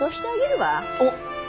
おっ！